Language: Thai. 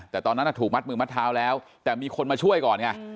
แต่ตอนนั้นถูกมัดมือมัดเท้าแล้วแต่มีคนมาช่วยก่อนไง